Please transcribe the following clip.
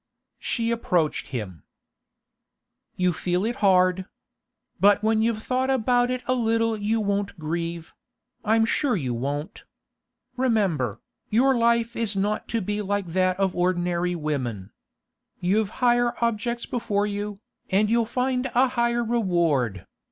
She approached him. 'You feel it hard. But when you've thought about it a little you won't grieve; I'm sure you won't. Remember, your life is not to be like that of ordinary women. You've higher objects before you, and you'll find a higher reward.